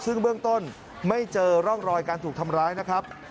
ซึ่งเบื้องต้นไม่เจอร่องรอยการถูกทำร้ายนะครับ